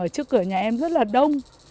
ở trước cửa nhà em rất là đông